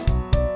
oke sampai jumpa